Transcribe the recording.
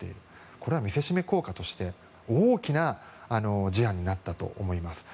これは見せしめ効果として大きな事案になったと思います。